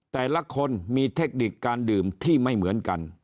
แต่ละคนมีเทคนิคการดื่มที่ไม่เหมือนกัน